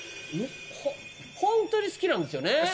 ホントに好きなんですよね？